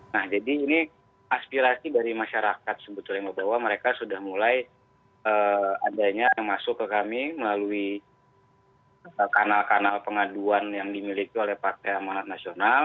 nah jadi ini aspirasi dari masyarakat sebetulnya bahwa mereka sudah mulai adanya yang masuk ke kami melalui kanal kanal pengaduan yang dimiliki oleh partai amanat nasional